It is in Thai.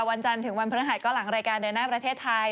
วันจันทร์ถึงวันพฤหัสก็หลังรายการเดินหน้าประเทศไทย